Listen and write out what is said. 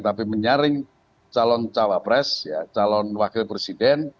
tapi menyaring calon cawapres calon wakil presiden